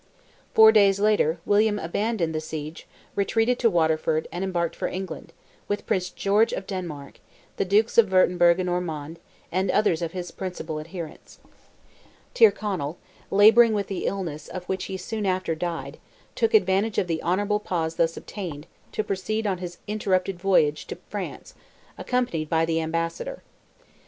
Four days later, William abandoned the siege, retreated to Waterford, and embarked for England, with Prince George of Denmark, the Dukes of Wurtemburg and Ormond, and others of his principal adherents. Tyrconnell, labouring with the illness of which he soon after died, took advantage of the honourable pause thus obtained, to proceed on his interrupted voyage to France, accompanied by the ambassador.